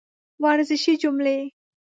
ورزشي جملې